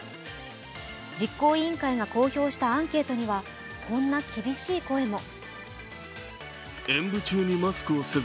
実行委員会が公表したアンケートには、こんな厳しい声も。